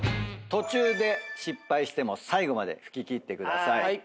途中で失敗しても最後まで吹き切ってください。